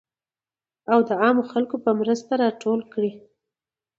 او د عامو خلکو په مرسته راټول کړي .